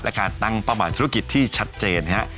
และการตั้งประมาณธุรกิจที่ชัดเจนนะครับ